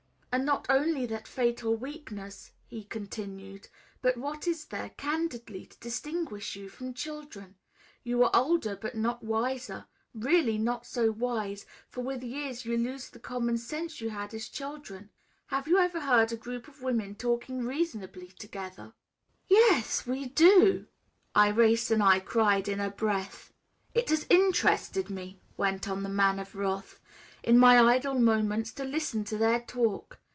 "And not only that fatal weakness," he continued, "but what is there, candidly, to distinguish you from children? You are older, but not wiser, really not so wise, for with years you lose the common sense you had as children. Have you ever heard a group of women talking reasonably together?" "Yes we do!" Irais and I cried in a breath. "It has interested me," went on the Man of Wrath, "in my idle moments, to listen to their talk.